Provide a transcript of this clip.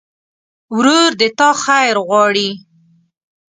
ورور د تا خیر غواړي.